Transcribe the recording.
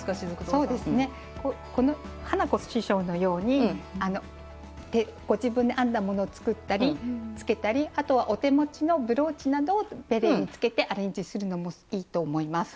そうですね花子師匠のようにご自分で編んだものを作ったり付けたりあとはお手持ちのブローチなどをベレーに付けてアレンジするのもいいと思います。